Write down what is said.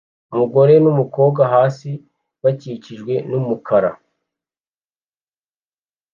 Umugore numukobwa hasi bakikijwe numukara